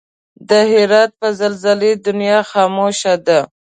د هرات په زلزله دنيا خاموش ده